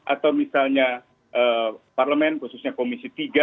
atau misalnya parlemen khususnya komisi tiga